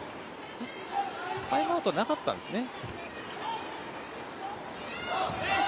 タイムアウトなかったんですね？